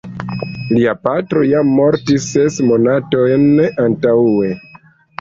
Lia patro jam mortis ses monatojn antaŭe.